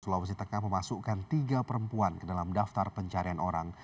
sulawesi tengah memasukkan tiga perempuan ke dalam daftar pencarian orang